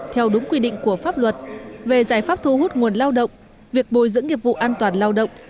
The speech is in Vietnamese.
theo đúng quy định của pháp luật về giải pháp thu hút nguồn lao động việc bồi dưỡng nghiệp vụ an toàn lao động